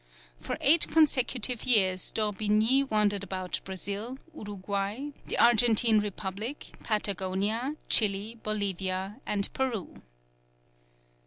For eight consecutive years D'Orbigny wandered about Brazil, Uruguay, the Argentine Republic, Patagonia, Chili, Bolivia, and Peru.